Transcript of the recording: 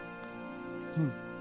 うん。